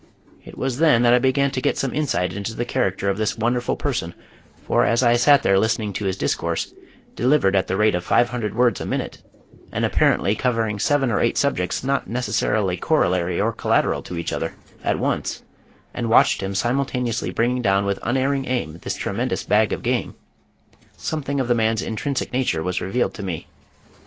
It was then that I began to get some insight into the character of this wonderful person, for as I sat there listening to his discourse, delivered at the rate of five hundred words a minute, and apparently covering seven or eight subjects not necessarily corollary or collateral to each other, at once, and watched him simultaneously bringing down with unerring aim this tremendous bag of game, something of the man's intrinsic nature was revealed to me.